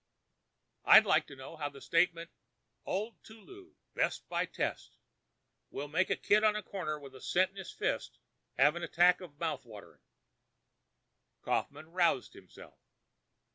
I'd like to know how the statement, 'Old Tulu—Best by Test,' will make a kid on the corner with a cent in his fist have an attack of mouth watering." Kaufmann roused himself.